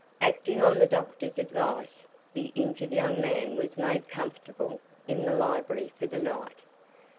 Acting on the doctor's advice, the injured young man was made comfortable in the library for the night.